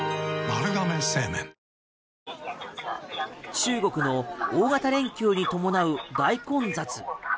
中国の大型連休に伴う大混雑。